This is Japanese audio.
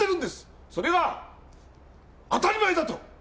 それが当たり前だと！？